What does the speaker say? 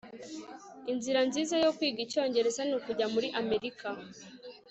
inzira nziza yo kwiga icyongereza nukujya muri amerika